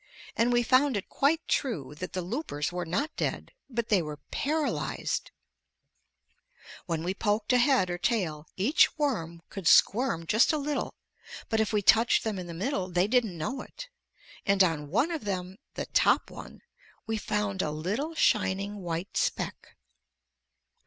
And we found it quite true that the loopers were not dead, but they were paralyzed! When we poked a head or tail, each worm could squirm just a little, but if we touched them in the middle, they didn't know it, and on one of them, the top one, we found a little shining white speck.